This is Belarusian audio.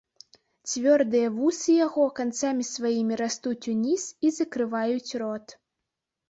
Цвёрдыя вусы яго канцамі сваімі растуць уніз і закрываюць рот.